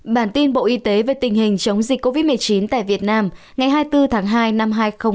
bản tin bộ y tế về tình hình chống dịch covid một mươi chín tại việt nam ngày hai mươi bốn tháng hai năm hai nghìn hai mươi